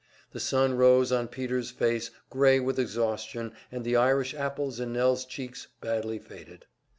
The sun rose on Peter's face gray with exhaustion and the Irish apples in Nell's cheeks badly faded.